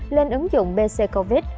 lên ứng dụng bc covid